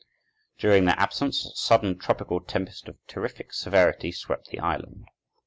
During their absence a sudden tropical tempest of terrific severity swept the island.